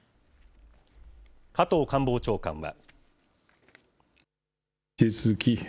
加藤官房長官は。